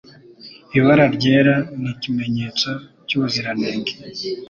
Ibara ryera nikimenyetso cyubuziranenge.